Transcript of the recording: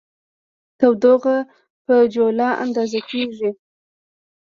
تودوخه په جولا اندازه کېږي.